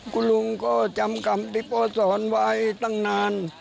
คุณลุงก็จำกรรมที่พ่อสอนไว้ตั้งนาน